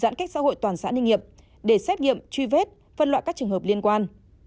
giãn cách xã hội toàn xã ninh nghiệp để xét nghiệm truy vết phân loại các trường hợp liên quan